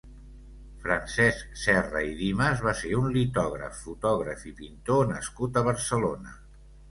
Francesc Serra i Dimas va ser un litògraf, fotògraf i pintor nascut a Barcelona.